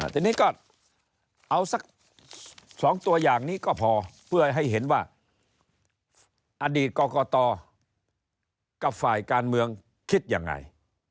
ทีนี้ก็เอาสัก๒ตัวอย่างนี้ก็พอเพื่อให้เห็นว่าอดีตกรกตกับฝ่ายการเมืองคิดยังไง